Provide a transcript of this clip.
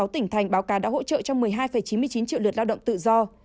năm mươi sáu tỉnh thành báo cán đã hỗ trợ cho một mươi hai chín mươi chín triệu lượt lao động tự do